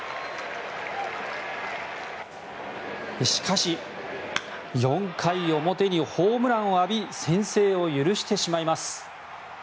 しかし４回表にホームランを浴び先制を許してしまいます。